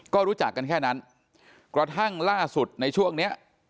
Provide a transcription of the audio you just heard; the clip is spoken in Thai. ก็รู้จักกันแค่นั้นกระทั่งล่าสุดในช่วงเนี้ย